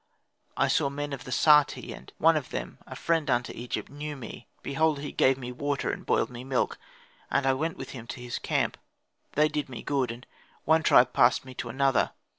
I saw men of the Sati, and one of them a friend unto Egypt knew me. Behold he gave me water and boiled me milk, and I went with him to his camp; they did me good, and one tribe passed me on to another.